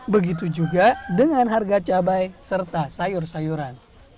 begitu juga dengan harga cabai serta sayur sayuran